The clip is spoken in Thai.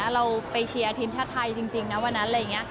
เราไปเชียร์ทีมชาติไทยจริงนะวันนั้น